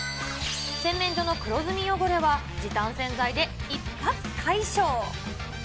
洗面所の黒ずみ汚れは、時短洗剤で一発解消！